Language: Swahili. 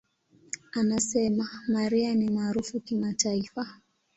Anasema, "Mariah ni maarufu kimataifa.